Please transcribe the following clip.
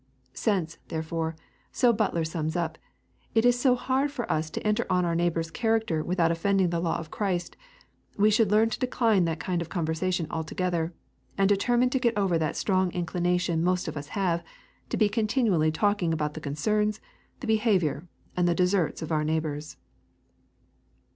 Since, therefore, so Butler sums up, it is so hard for us to enter on our neighbour's character without offending the law of Christ, we should learn to decline that kind of conversation altogether, and determine to get over that strong inclination most of us have, to be continually talking about the concerns, the behaviour, and the deserts of our neighbours.